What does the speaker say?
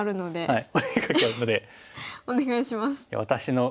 はい。